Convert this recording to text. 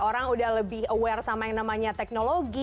orang udah lebih aware sama yang namanya teknologi